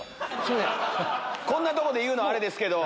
こんなとこで言うのあれですけど。